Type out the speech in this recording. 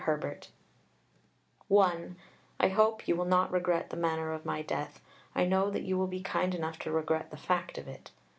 Herbert (1) I hope you will not regret the manner of my death. I know that you will be kind enough to regret the fact of it.